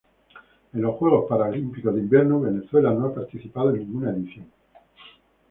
En los Juegos Paralímpicos de Invierno Venezuela no ha participado en ninguna edición.